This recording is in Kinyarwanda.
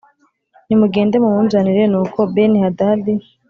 Nimugende mumunzanire Nuko Benihadadi